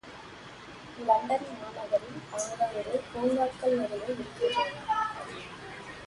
London மாநகரில் ஆங்காங்கே பூங்காக்கள் நிறைய இருக்கின்றன.